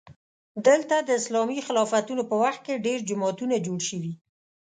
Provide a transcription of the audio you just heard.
دلته د اسلامي خلافتونو په وخت کې ډېر جوماتونه جوړ شوي.